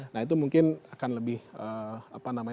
nah itu mungkin akan lebih apa namanya